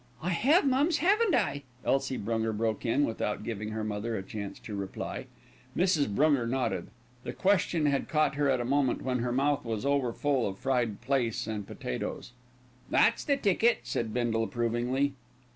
"I have, mums, haven't I?" Elsie Brunger broke in, without giving her mother a chance to reply. Mrs. Brunger nodded. The question had caught her at a moment when her mouth was overfull of fried plaice and potatoes. "That's the ticket," said Bindle approvingly.